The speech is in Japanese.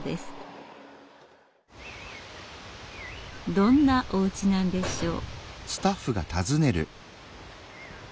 どんなおうちなんでしょう。